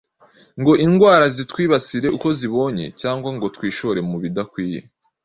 ngo indwara zitwibasire uko zibonye cyangwa ngo twishore mu bidakwiye.